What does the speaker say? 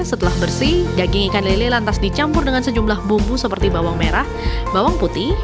setelah bersih daging ikan lele lantas dicampur dengan sejumlah bumbu seperti bawang merah bawang putih